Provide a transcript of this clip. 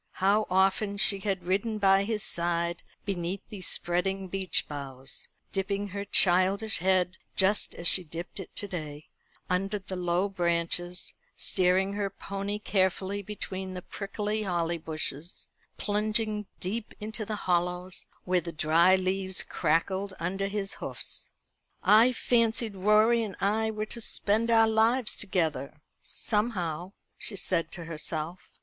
How often she had ridden by his side beneath these spreading beech boughs, dipping her childish head, just as she dipped it to day, under the low branches, steering her pony carefully between the prickly holly bushes, plunging deep into the hollows where the dry leaves crackled under his hoofs. "I fancied Rorie and I were to spend our lives together somehow," she said to herself.